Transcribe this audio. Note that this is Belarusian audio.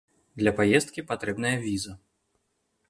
Для паездкі патрэбная віза.